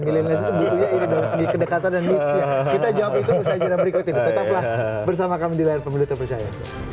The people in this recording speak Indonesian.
millenials itu butuhnya itu dalam segi kedekatan dan needs nya kita jawab itu di usai cerita berikutnya tetaplah bersama kami di layar pemilu terpercaya